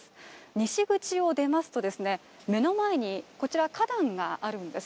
西口を出ますとですね、目の前に、こちら花壇があるんです。